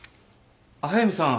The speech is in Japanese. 速見さん